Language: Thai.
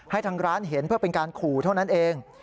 ทางร้านเห็นเพื่อเป็นการขู่เท่านั้นเอง